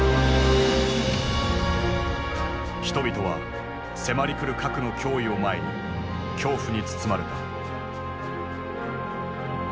人々は迫り来る核の脅威を前に恐怖に包まれた。